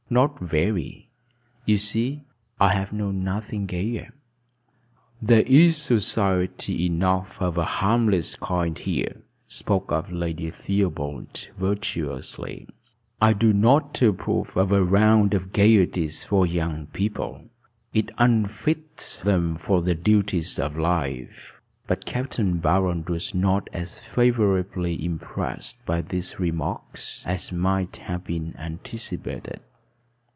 "Not very. You see, I have known nothing gayer." "There is society enough of a harmless kind here," spoke up Lady Theobald virtuously. "I do not approve of a round of gayeties for young people: it unfits them for the duties of life." But Capt. Barold was not as favorably impressed by these remarks as might have been anticipated.